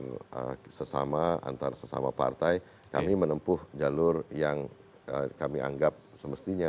dengan sesama antar sesama partai kami menempuh jalur yang kami anggap semestinya